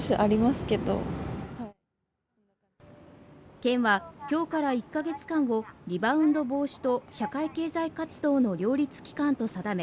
県はきょうから１か月間をリバウンド防止と社会経済活動の両立期間と定め